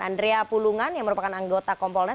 andrea pulungan yang merupakan anggota kompolnas